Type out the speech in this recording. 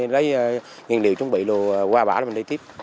lấy nguyên liệu chuẩn bị qua bão mình đi tiếp